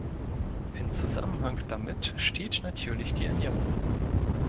Im Zusammenhang damit steht natürlich die Ernährung.